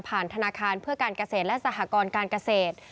ธนาคารเพื่อการเกษตรและสหกรการเกษตร